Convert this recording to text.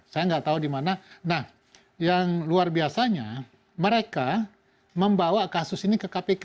saya nggak tahu di mana nah yang luar biasanya mereka membawa kasus ini ke kpk